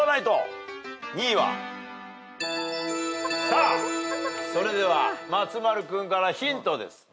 さあそれでは松丸君からヒントです。